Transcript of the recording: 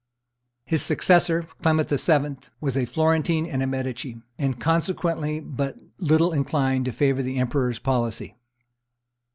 His successor, Clement VII., was a Florentine and a Medici, and, consequently, but little inclined to favor the emperor's policy.